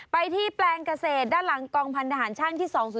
ไปที่แปลงเกษตรด้านหลังกองพันธหารช่างที่๒๐๔